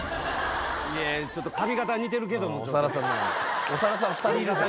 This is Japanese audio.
いやいやちょっと髪形は似てるけども長田さんだよ